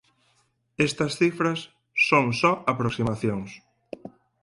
Estas cifras son só aproximacións.